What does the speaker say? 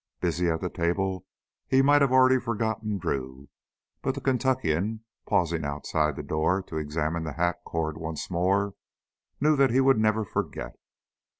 Busy at the table, he might have already forgotten Drew. But the Kentuckian, pausing outside the door to examine the hat cord once more, knew that he would never forget.